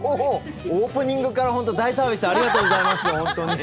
オープニングから本当大サービスありがとうございます。